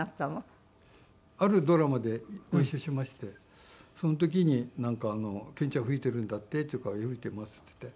あるドラマでご一緒しましてその時になんか「健ちゃん吹いてるんだって？」って言うから「吹いてます」って言って。